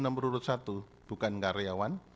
nomor urut satu bukan karyawan